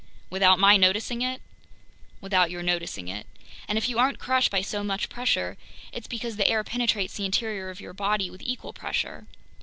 "Without my noticing it?" "Without your noticing it. And if you aren't crushed by so much pressure, it's because the air penetrates the interior of your body with equal pressure.